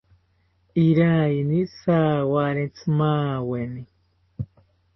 Iraiyini jawarentzi maaweni